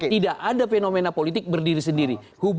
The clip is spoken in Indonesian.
tidak ada fenomena politik berdiri sendiri